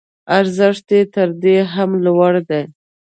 ارزښت یې تر دې هم لوړ دی.